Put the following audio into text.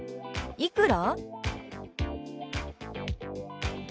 「いくら？」。